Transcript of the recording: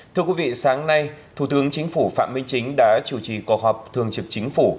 thưa quý vị sáng nay thủ tướng chính phủ phạm minh chính đã chủ trì cuộc họp thường trực chính phủ